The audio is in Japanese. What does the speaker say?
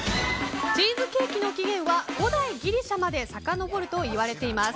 チーズケーキの起源は古代ギリシャまでさかのぼるといわれています。